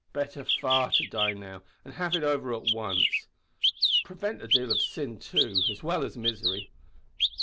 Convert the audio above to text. Better far to die now and have it over at once; prevent a deal of sin, too, as well as misery.